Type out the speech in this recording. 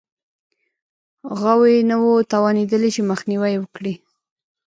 غوی نه وو توانېدلي چې مخنیوی یې وکړي